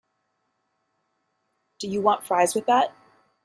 Do you want fries with that?